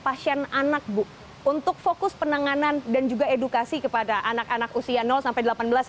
pasien anak bu untuk fokus penanganan dan juga edukasi kepada anak anak usia sampai delapan belas ya